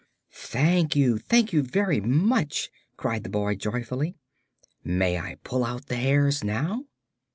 "Thank you! Thank you very much," cried the boy, joyfully. "May I pull out the hairs now?"